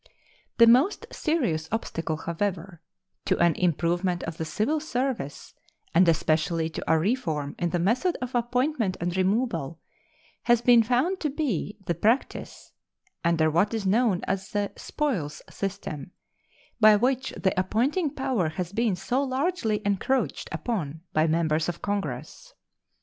The most serious obstacle, however, to an improvement of the civil service, and especially to a reform in the method of appointment and removal, has been found to be the practice, under what is known as the spoils system, by which the appointing power has been so largely encroached upon by members of Congress.